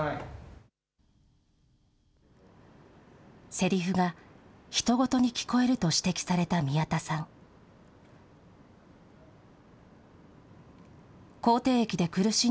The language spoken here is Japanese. せりふがひと事に聞こえると指摘された宮田さん。